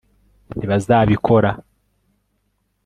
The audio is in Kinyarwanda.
ntibazabikora